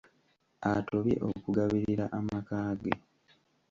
Atobye okugabirira amakaage.